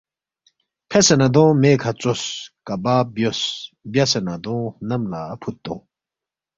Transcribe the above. فیسے نہ دونگ مےکھہ ژوس، کباب بیوس، بیاسے نہ دونگ خنم لہ فُود تونگ